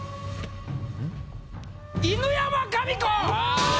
犬山紙子！